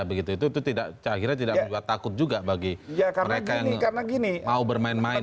itu akhirnya tidak takut juga bagi mereka yang mau bermain main